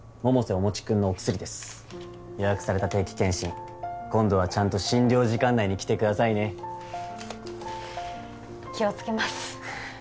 おもちくんのお薬です予約された定期検診今度はちゃんと診療時間内に来てくださいね気をつけます